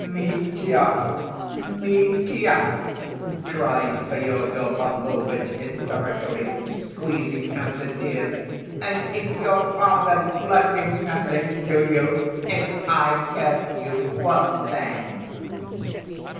"Mitya! Mitya!" cried Fyodor Pavlovitch hysterically, squeezing out a tear. "And is your father's blessing nothing to you? If I curse you, what then?"